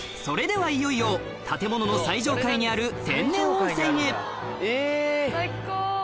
それではいよいよ建物の最上階にある